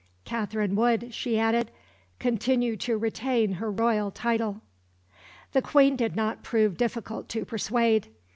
Katherine would, she added, continue to retain her royal title. The Queen did not prove difficult to persuade.